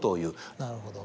なるほど。